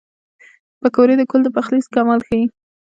پکورې د کور د پخلي کمال ښيي